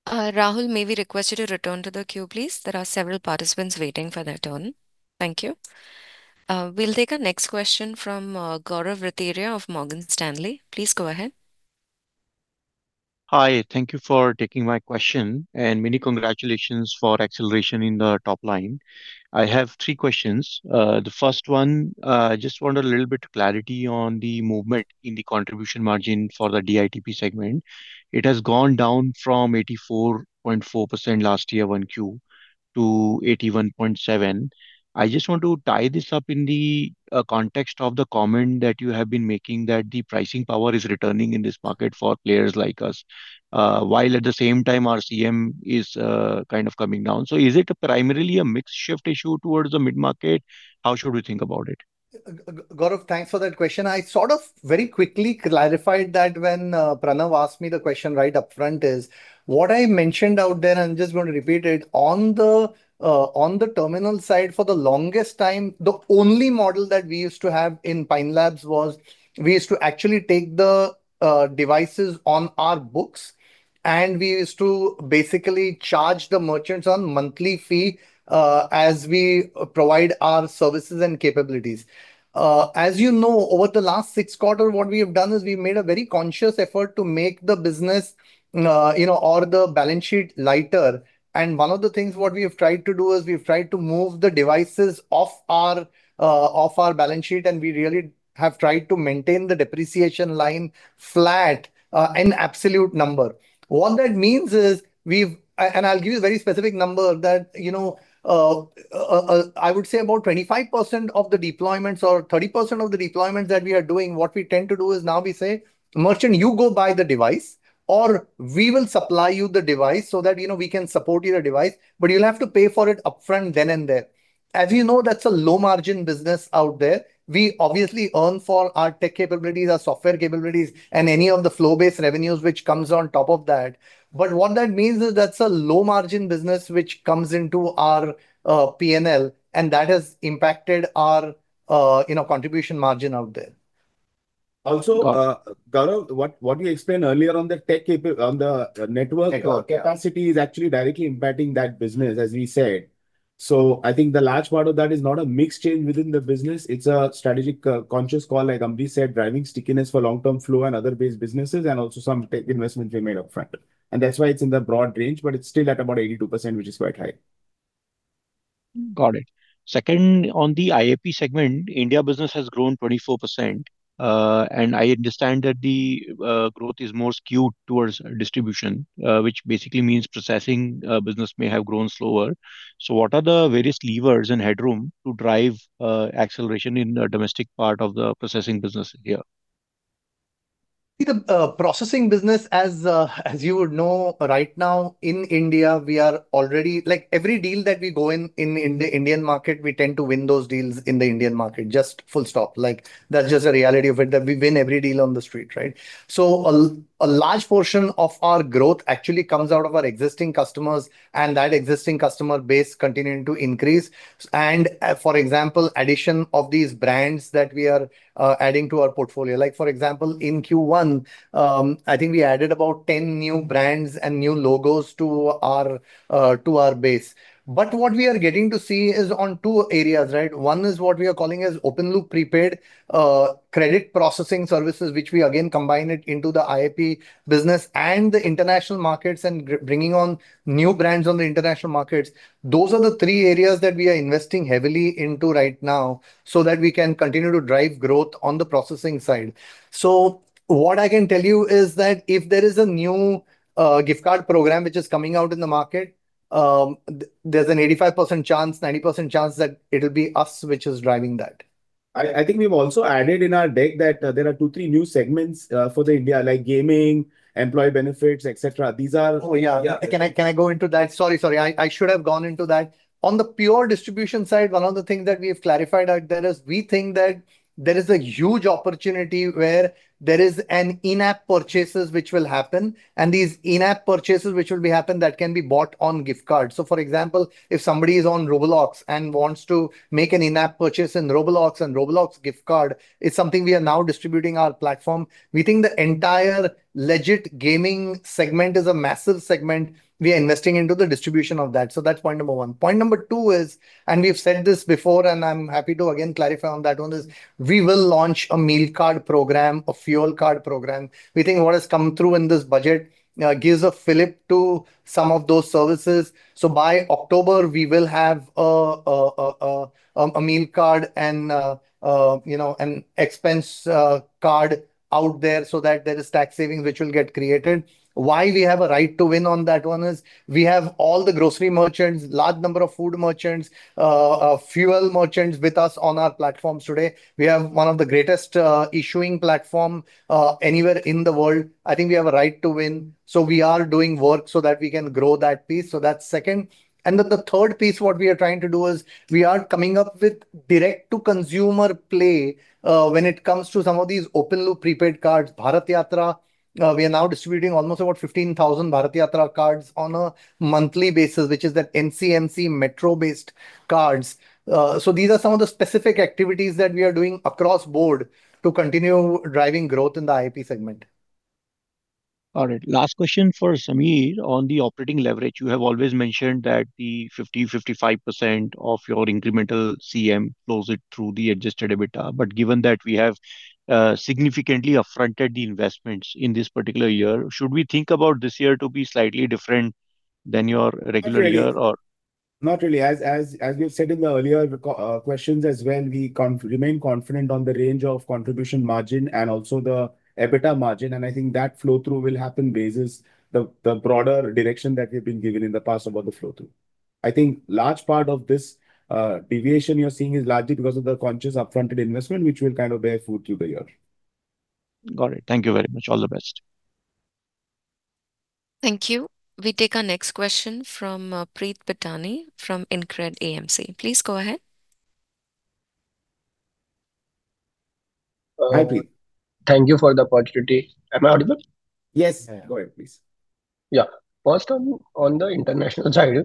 Rahul, may we request you to return to the queue, please? There are several participants waiting for their turn. Thank you. We'll take our next question from Gaurav Rateria of Morgan Stanley. Please go ahead. Hi. Thank you for taking my question. Many congratulations for acceleration in the top line. I have three questions. The first one, I just want a little bit of clarity on the movement in the contribution margin for the DITP segment. It has gone down from 84.4% last year, 1Q, to 81.7%. I just want to tie this up in the context of the comment that you have been making that the pricing power is returning in this market for players like us. While at the same time, our CM is kind of coming down. Is it primarily a mix shift issue towards the mid-market? How should we think about it? Gaurav, thanks for that question. I sort of very quickly clarified that when Pranav asked me the question right up front is, what I mentioned out there. Just want to repeat it. On the terminal side, for the longest time, the only model that we used to have in Pine Labs was we used to actually take the devices on our books, and we used to basically charge the merchants on monthly fee as we provide our services and capabilities. As you know, over the last six quarter, what we have done is we've made a very conscious effort to make the business or the balance sheet lighter. One of the things what we have tried to do is we've tried to move the devices off our balance sheet, and we really have tried to maintain the depreciation line flat, an absolute number. What that means is, I'll give you a very specific number that I would say about 25% of the deployments or 30% of the deployments that we are doing, what we tend to do is now we say, "Merchant, you go buy the device, or we will supply you the device so that we can support you the device, but you'll have to pay for it upfront then and there." As you know, that's a low margin business out there. We obviously earn for our tech capabilities, our software capabilities, and any of the flow-based revenues which comes on top of that. What that means is that's a low margin business which comes into our P&L, and that has impacted our contribution margin out there. Gaurav, what you explained earlier on the network- Network. Yeah. Capacity is actually directly impacting that business, as we said. I think the large part of that is not a mix change within the business. It's a strategic conscious call, like Amrish said, driving stickiness for long-term flow and other base businesses and also some tech investments we made upfront. That's why it's in the broad range, but it's still at about 82%, which is quite high. Got it. Second, on the IAP segment, India business has grown 24%. I understand that the growth is more skewed towards distribution, which basically means processing business may have grown slower. What are the various levers and headroom to drive acceleration in the domestic part of the processing business in India? The processing business, as you would know, right now in India, every deal that we go in in the Indian market, we tend to win those deals in the Indian market, just full stop. That's just a reality of it, that we win every deal on the street, right? A large portion of our growth actually comes out of our existing customers, and that existing customer base continuing to increase. For example, addition of these brands that we are adding to our portfolio. For example, in Q1, I think we added about 10 new brands and new logos to our base. What we are getting to see is on two areas. One is what we are calling as open loop prepaid credit processing services, which we again combine it into the IAP business and the international markets and bringing on new brands on the international markets. Those are the three areas that we are investing heavily into right now so that we can continue to drive growth on the processing side. What I can tell you is that if there is a new gift card program which is coming out in the market, there is an 85% chance, 90% chance that it'll be us which is driving that. I think we've also added in our deck that there are two, three new segments for India, like gaming, employee benefits, et cetera. Oh, yeah. Can I go into that? Sorry. I should have gone into that. On the pure distribution side, one of the things that we have clarified out there is we think that there is a huge opportunity where there is an in-app purchases which will happen, and these in-app purchases which will happen that can be bought on gift card. For example, if somebody is on Roblox and wants to make an in-app purchase in Roblox and Roblox gift card, it's something we are now distributing our platform. We think the entire legit gaming segment is a massive segment. We are investing into the distribution of that. That's point number one. Point number two is, we've said this before, and I'm happy to again clarify on that one, is we will launch a meal card program, a fuel card program. We think what has come through in this budget gives a fillip to some of those services. By October, we will have a meal card and an expense card out there so that there is tax saving which will get created. Why we have a right to win on that one is we have all the grocery merchants, large number of food merchants, fuel merchants with us on our platforms today. We have one of the greatest issuing platform anywhere in the world. I think we have a right to win. We are doing work so that we can grow that piece. That's second. The third piece, what we are trying to do is we are coming up with direct-to-consumer play when it comes to some of these open loop prepaid cards. Bharat Yatra. We are now distributing almost about 15,000 Bharat Yatra cards on a monthly basis, which is that NCMC metro-based cards. These are some of the specific activities that we are doing across board to continue driving growth in the IAP segment. All right. Last question for Sameer. On the operating leverage, you have always mentioned that the 50%, 55% of your incremental CM flows through the adjusted EBITDA. Given that we have significantly up-fronted the investments in this particular year, should we think about this year to be slightly different than your regular year, or- Not really. As we've said in the earlier questions as well, we remain confident on the range of contribution margin and also the EBITDA margin, and I think that flow-through will happen basis the broader direction that we've been given in the past about the flow-through. I think large part of this deviation you're seeing is largely because of the conscious up-fronted investment, which will bear fruit through the year. Got it. Thank you very much. All the best. Thank you. We take our next question from Preet Pitani from InCred AMC. Please go ahead. Hi, Preet. Thank you for the opportunity. Am I audible? Yes. Go ahead, please. First, on the international side,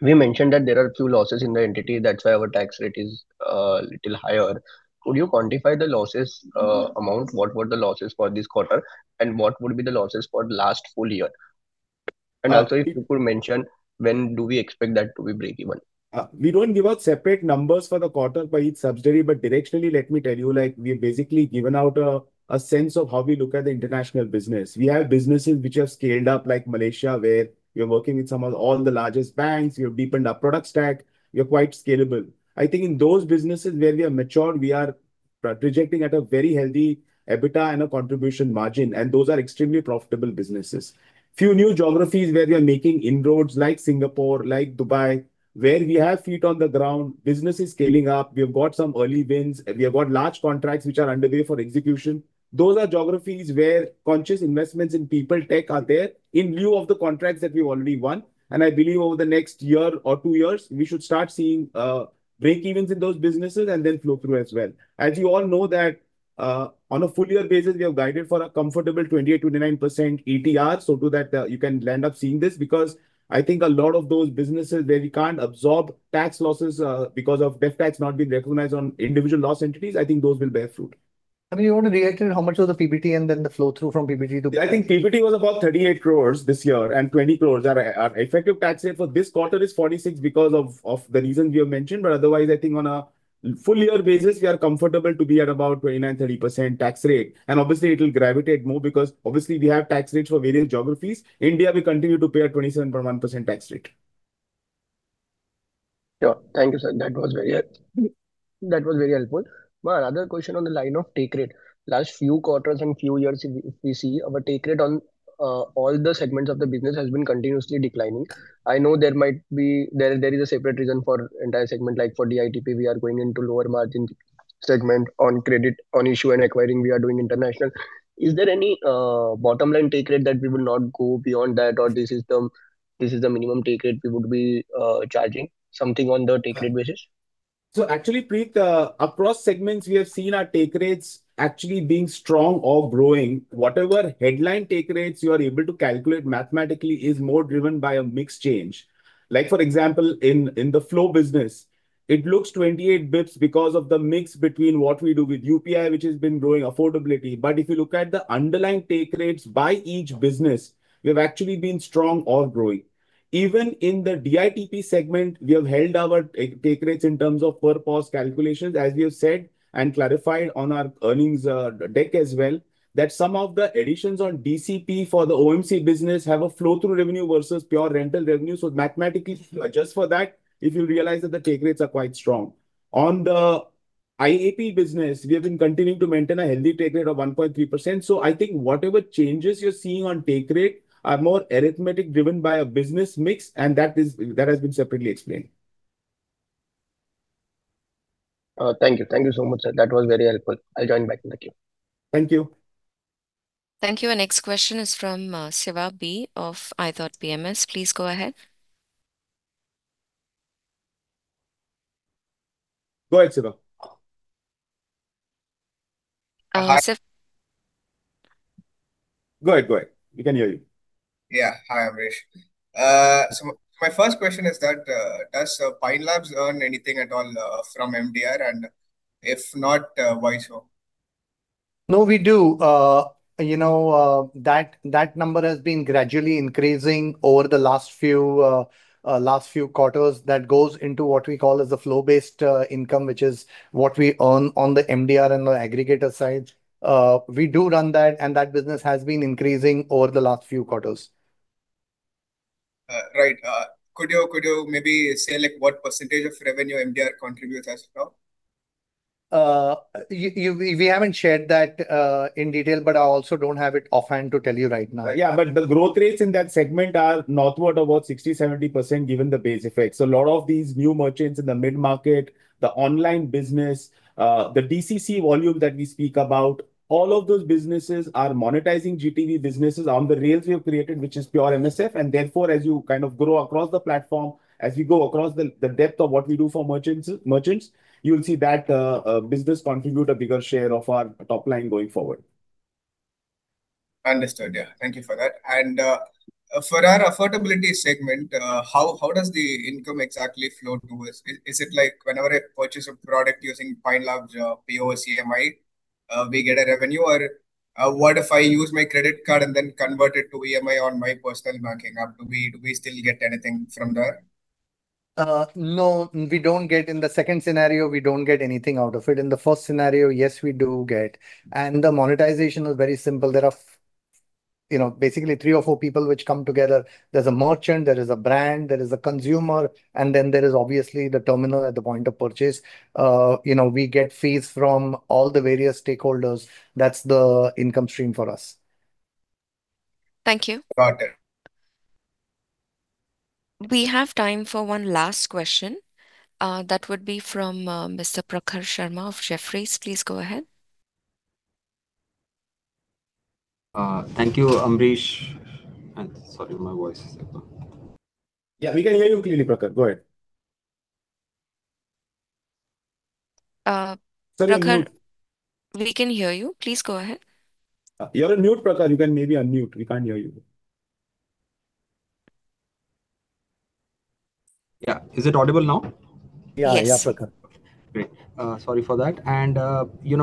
we mentioned that there are a few losses in the entity, that's why our tax rate is a little higher. Could you quantify the losses amount? What were the losses for this quarter, and what would be the losses for last full year? Also, if you could mention when do we expect that to be break-even? We don't give out separate numbers for the quarter by each subsidiary, but directionally, let me tell you, we've basically given out a sense of how we look at the international business. We have businesses which have scaled up, like Malaysia, where we're working with some of all the largest banks. We've deepened our product stack. We're quite scalable. I think in those businesses where we are mature, we are projecting at a very healthy EBITDA and a contribution margin, and those are extremely profitable businesses. Few new geographies where we are making inroads, like Singapore, like Dubai, where we have feet on the ground. Business is scaling up. We have got some early wins, and we have got large contracts which are underway for execution. Those are geographies where conscious investments in people tech are there in lieu of the contracts that we've already won. I believe over the next year or two years, we should start seeing break-evens in those businesses and then flow-through as well. As you all know that on a full year basis, we have guided for a comfortable 28%, 29% ETR, so to that, you can land up seeing this because I think a lot of those businesses where we can't absorb tax losses because of deferred tax not being recognized on individual loss entities, I think those will bear fruit. You want to reiterate how much was the PBT and then the flow-through from PBT. I think PBT was about 38 crores this year, and 20 crores. Our effective tax rate for this quarter is 46% because of the reason we have mentioned. Otherwise, I think on a full year basis, we are comfortable to be at about 29%-30% tax rate. Obviously it will gravitate more because obviously we have tax rates for various geographies. India, we continue to pay a 27.1% tax rate. Sure. Thank you, sir. That was very helpful. My other question on the line of take rate. Last few quarters and few years, we see our take rate on all the segments of the business has been continuously declining. I know there is a separate reason for entire segment. For DITP, we are going into lower margin segment. On credit, on Issuing and Acquiring, we are doing international. Is there any bottom line take rate that we will not go beyond that, or this is the minimum take rate we would be charging? Something on the take rate basis. Actually, Preet, across segments, we have seen our take rates actually being strong or growing. Whatever headline take rates you are able to calculate mathematically is more driven by a mix change. For example, in the flow business, it looks 28 basis points because of the mix between what we do with UPI, which has been growing affordability. If you look at the underlying take rates by each business, we've actually been strong or growing. Even in the DITP segment, we have held our take rates in terms of per pause calculations, as we have said and clarified on our earnings deck as well, that some of the additions on DCP for the OMC business have a flow-through revenue versus pure rental revenue. Mathematically, if you adjust for that, if you realize that the take rates are quite strong. On the IAP business, we have been continuing to maintain a healthy take rate of 1.3%. I think whatever changes you're seeing on take rate are more arithmetic driven by a business mix, and that has been separately explained. Thank you. Thank you so much, sir. That was very helpful. I'll join back in the queue. Thank you. Thank you. Our next question is from Siva B. of iThought PMS. Please go ahead. Go ahead, Siva. Siv- Go ahead. Go ahead. We can hear you. Yeah. Hi, Amrish. My first question is that, does Pine Labs earn anything at all from MDR, and if not, why so? No, we do. That number has been gradually increasing over the last few quarters. That goes into what we call as a flow-based income, which is what we earn on the MDR and the aggregator side. We do run that, and that business has been increasing over the last few quarters. Right. Could you maybe say what percentage of revenue MDR contributes as of now? We haven't shared that in detail, but I also don't have it offhand to tell you right now. Yeah, the growth rates in that segment are northward about 60%-70%, given the base effects. A lot of these new merchants in the mid-market, the online business, the DCC volume that we speak about, all of those businesses are monetizing GTV businesses on the rails we have created, which is pure MSF. Therefore, as you grow across the platform, as we go across the depth of what we do for merchants, you'll see that business contribute a bigger share of our top line going forward. Understood. Yeah. Thank you for that. For our affordability segment, how does the income exactly flow to us? Is it like whenever I purchase a product using Pine Labs POS or EMI, we get a revenue? What if I use my credit card and then convert it to EMI on my personal banking app, do we still get anything from there? No, we don't get. In the second scenario, we don't get anything out of it. In the first scenario, yes, we do get. The monetization is very simple. Basically three or four people which come together. There's a merchant, there is a brand, there is a consumer, and then there is obviously the terminal at the point of purchase. We get fees from all the various stakeholders. That's the income stream for us. Thank you. Got it. We have time for one last question. That would be from Mr. Prakhar Sharma of Jefferies. Please go ahead. Thank you, Amrish. Sorry, my voice is. Yeah, we can hear you clearly, Prakhar. Go ahead. Prakhar- Sorry, you're mute. We can hear you. Please go ahead. You're on mute, Prakhar. You can maybe unmute. We can't hear you. Yeah. Is it audible now? Yes. Yeah, Prakhar. Great. Sorry for that.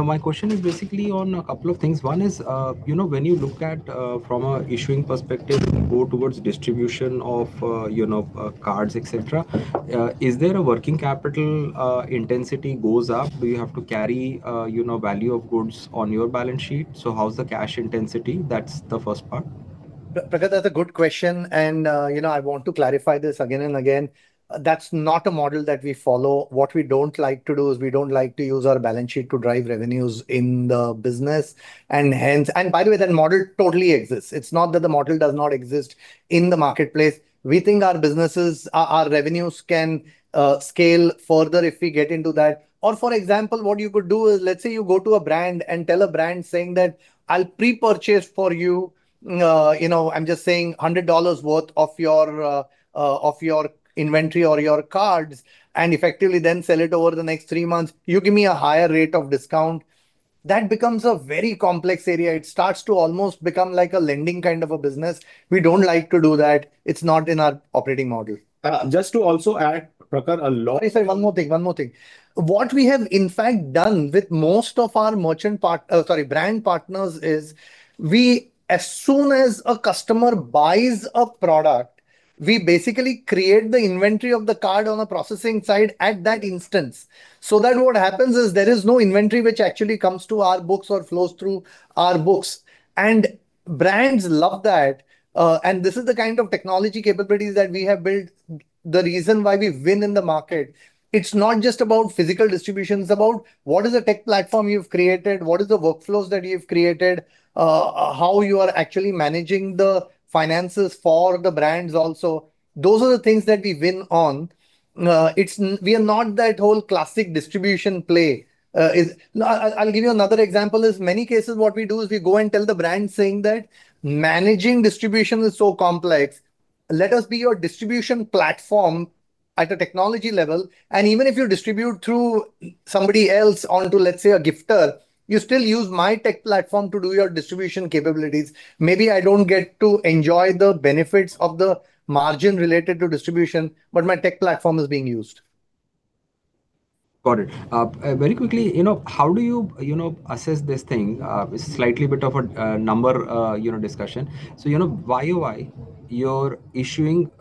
My question is basically on a couple of things. One is, when you look at from a issuing perspective and go towards distribution of cards, et cetera, is there a working capital intensity goes up? Do you have to carry value of goods on your balance sheet? How's the cash intensity? That's the first part. Prakhar, that's a good question. I want to clarify this again and again. That's not a model that we follow. What we don't like to do is we don't like to use our balance sheet to drive revenues in the business. By the way, that model totally exists. It's not that the model does not exist in the marketplace. We think our revenues can scale further if we get into that. For example, what you could do is, let's say you go to a brand and tell a brand, saying that, "I'll pre-purchase for you. I'm just saying $100 worth of your inventory or your cards, and effectively then sell it over the next three months. You give me a higher rate of discount." That becomes a very complex area. It starts to almost become like a lending kind of a business. We don't like to do that. It's not in our operating model. Just to also add, Prakhar, a lot Sorry, one more thing. What we have in fact done with most of our brand partners is, as soon as a customer buys a product, we basically create the inventory of the card on a processing side at that instance. What happens is there is no inventory which actually comes to our books or flows through our books. Brands love that. This is the kind of technology capabilities that we have built. The reason why we win in the market, it's not just about physical distribution, it's about what is the tech platform you've created, what is the workflows that you've created, how you are actually managing the finances for the brands also. Those are the things that we win on. We are not that whole classic distribution play. I'll give you another example is, many cases what we do is we go and tell the brand, saying that, "Managing distribution is so complex. Let us be your distribution platform at a technology level. Even if you distribute through somebody else onto, let's say, a gifter, you still use my tech platform to do your distribution capabilities. Maybe I don't get to enjoy the benefits of the margin related to distribution, but my tech platform is being used. Got it. Very quickly, how do you assess this thing? Slightly bit of a number discussion. Year-over-year, your issuing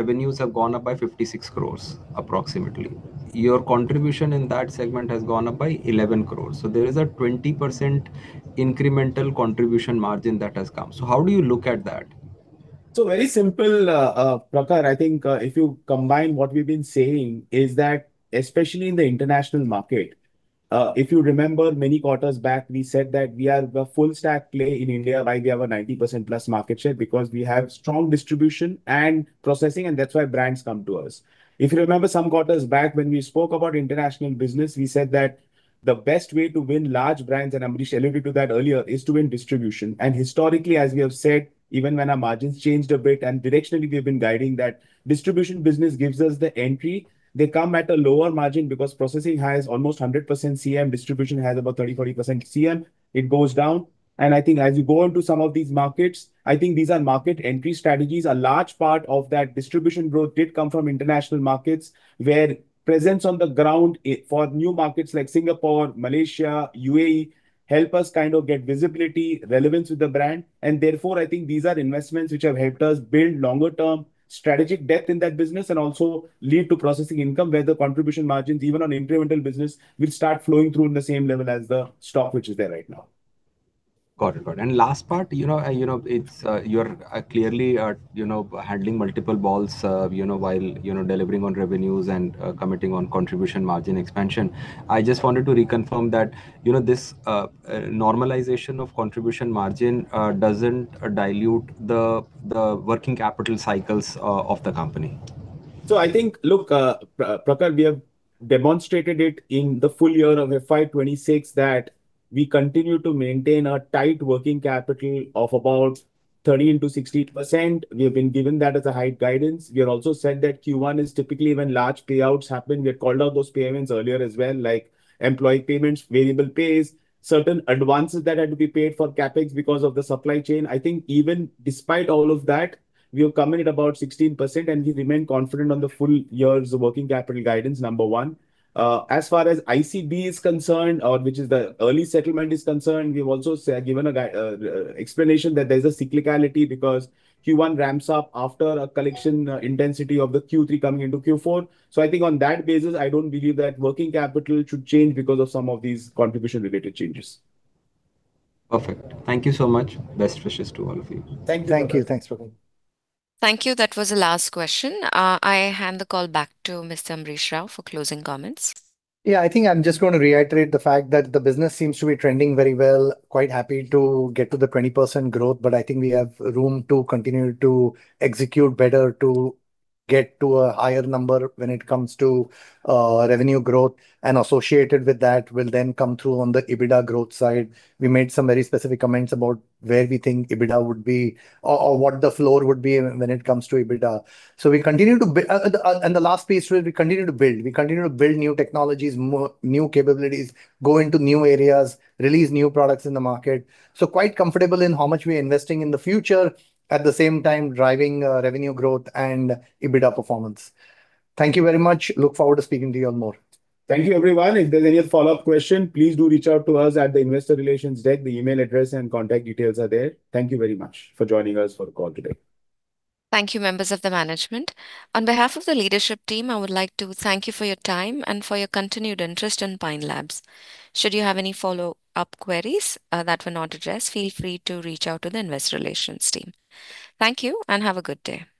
revenues have gone up by 56 crore approximately. Your contribution in that segment has gone up by 11 crore. There is a 20% incremental contribution margin that has come. How do you look at that? Very simple, Prakhar. I think if you combine what we've been saying, is that especially in the international market, if you remember many quarters back, we said that we are the full stack play in India, why we have a 90%+ market share, because we have strong distribution and processing, and that's why brands come to us. If you remember some quarters back when we spoke about international business, we said that the best way to win large brands, and Amrish alluded to that earlier, is to win distribution. Historically, as we have said, even when our margins changed a bit, and directionally, we've been guiding that distribution business gives us the entry. They come at a lower margin because processing has almost 100% CM, distribution has about 30%-40% CM. It goes down. I think as you go into some of these markets, I think these are market entry strategies. A large part of that distribution growth did come from international markets, where presence on the ground for new markets like Singapore, Malaysia, U.A.E., help us kind of get visibility, relevance with the brand. Therefore, I think these are investments which have helped us build longer term strategic depth in that business and also lead to processing income, where the contribution margins, even on incremental business, will start flowing through in the same level as the stock which is there right now. Got it. Last part, you are clearly handling multiple balls, while delivering on revenues and committing on contribution margin expansion. I just wanted to reconfirm that this normalization of contribution margin doesn't dilute the working capital cycles of the company. I think, look, Prakhar, we have demonstrated it in the full year of FY 2026 that we continue to maintain a tight working capital of about 30 into 60%. We have been given that as a tight guidance. We have also said that Q1 is typically when large payouts happen. We had called out those payments earlier as well, like employee payments, variable pays, certain advances that had to be paid for CapEx because of the supply chain. I think even despite all of that, we have come in at about 16%, and we remain confident on the full year's working capital guidance, number one. As far as ICB is concerned, or which is the early settlement is concerned, we've also given an explanation that there's a cyclicality because Q1 ramps up after a collection intensity of the Q3 coming into Q4. I think on that basis, I don't believe that working capital should change because of some of these contribution-related changes. Perfect. Thank you so much. Best wishes to all of you. Thank you. Thank you. Thanks, Prakhar. Thank you. That was the last question. I hand the call back to Mr. Amrish Rau for closing comments. I think I'm just going to reiterate the fact that the business seems to be trending very well. Quite happy to get to the 20% growth, I think we have room to continue to execute better to get to a higher number when it comes to revenue growth. Associated with that will then come through on the EBITDA growth side. We made some very specific comments about where we think EBITDA would be, or what the floor would be when it comes to EBITDA. The last piece will be, continue to build. We continue to build new technologies, new capabilities, go into new areas, release new products in the market. Quite comfortable in how much we are investing in the future, at the same time, driving revenue growth and EBITDA performance. Thank you very much. Look forward to speaking to you all more. Thank you everyone. If there's any follow-up question, please do reach out to us at the investor relations deck. The email address and contact details are there. Thank you very much for joining us for the call today. Thank you, members of the management. On behalf of the leadership team, I would like to thank you for your time and for your continued interest in Pine Labs. Should you have any follow-up queries that were not addressed, feel free to reach out to the investor relations team. Thank you, and have a good day. Goodbye.